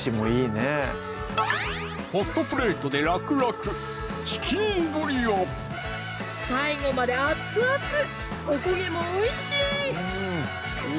ホットプレートで楽々最後まで熱々お焦げもおいしい！